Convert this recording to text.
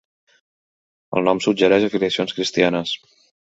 El nom suggereix afiliacions cristianes.